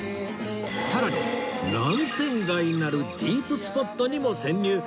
さらに南店街なるディープスポットにも潜入